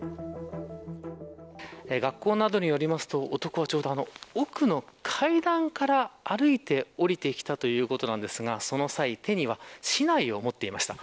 学校などによりますと男は奥の階段から歩いて下りてきたということなんですがその際、手には竹刀を持っていました。